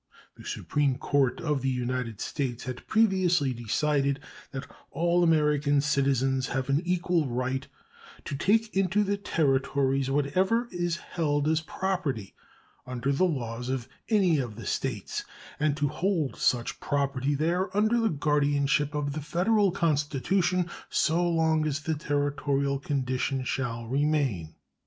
The Supreme Court of the United States had previously decided that all American citizens have an equal right to take into the Territories whatever is held as property under the laws of any of the States, and to hold such property there under the guardianship of the Federal Constitution so long as the Territorial condition shall remain.